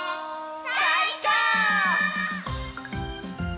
さいこう！